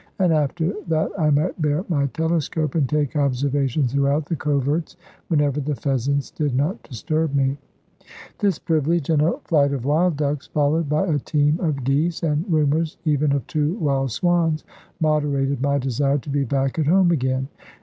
And after that I might bear my telescope, and take observations throughout the coverts, whenever the pheasants did not disturb me. This privilege, and a flight of wild ducks, followed by a team of geese, and rumours even of two wild swans, moderated my desire to be back at home again.